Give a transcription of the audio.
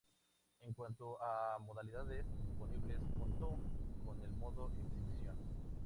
En cuanto a modalidades disponibles, contó con el modo Exhibición.